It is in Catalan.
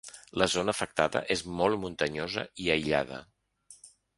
La zona afectada és molt muntanyosa i aïllada.